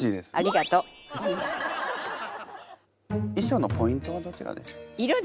衣装のポイントはどちらでしょう？